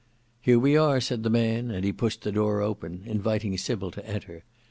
"Here we are," said the man; and he pushed the door open, inviting Sybil to enter.